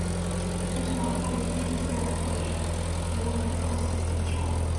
这是马特里第一次为尤文图斯进球。